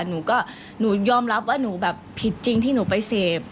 หนูก็หนูยอมรับว่าหนูแบบผิดจริงที่หนูไปเสพ